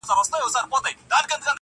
o جل وهلی سوځېدلی د مودو مودو راهیسي,